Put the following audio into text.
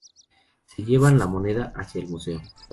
Se llevan la moneda hacia el museo.